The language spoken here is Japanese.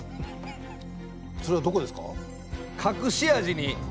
それはどこですか？